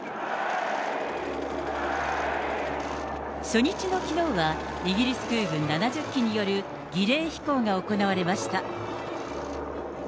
初日のきのうは、イギリス空軍７０機による、儀礼飛行が行われました。